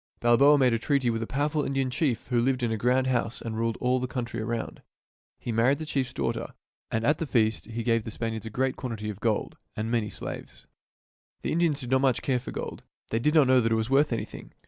Balboa made a treaty with a powerful Indian chief who lived in a grand house and ruled all the country around. He married the chiefs daughter; and at the wedding feast the chief gave the Span iards a great quantity of gold and many slaves. The Indians did not care much for gold. They did not know that it was worth anything.